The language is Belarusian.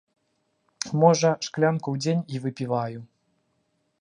Можа, шклянку ў дзень і выпіваю.